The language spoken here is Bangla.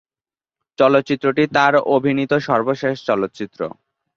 চলচ্চিত্রটি তার অভিনীত সর্বশেষ চলচ্চিত্র।